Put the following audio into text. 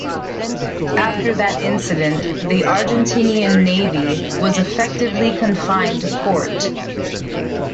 After that incident, the Argentinian Navy was effectively confined to port.